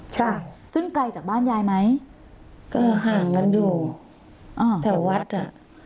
ใช่ซึ่งไกลจากบ้านยายไหมก็ห่างกันอยู่อ้าวแถววัดอ่ะ